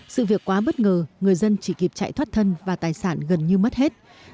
sự việc quá bất ngờ người dân chỉ kịp chạy thoát thân và tài sản gần như mất hết